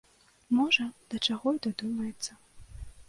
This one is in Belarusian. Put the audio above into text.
Можа, да чаго і дадумаецца.